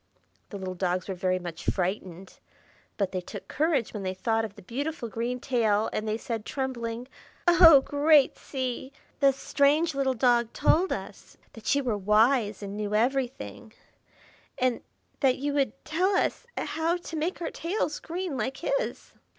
The little dogs were very much frightened, but they took courage when they thought of the beautiful green tail, and they said, trembling,— "Oh, great Sea! the strange little dog told us that you were wise and knew everything, and that you would tell us how to make our tails green like his."